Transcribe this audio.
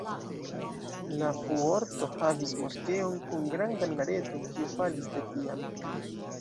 La Fuorto havis moskeon kun granda minareto kiu falis de tiam.